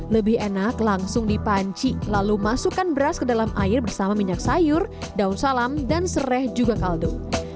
lebih enak langsung dipanci lalu masukkan beras ke dalam air bersama minyak sayur daun salam dan serai juga kaldu